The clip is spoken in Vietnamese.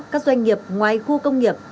các doanh nghiệp ngoài khu công nghiệp